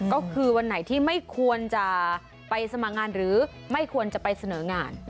ก็คือวันไหนที่ไม่ควรจะไปสมัครงานหรือไม่ควรจะไปเสนองาน